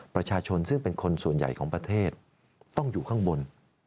ประชาชนซึ่งเป็นคนส่วนใหญ่ของประเทศต้องอยู่ข้างบน